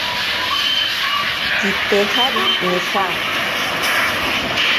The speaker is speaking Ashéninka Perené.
Kitejari nija.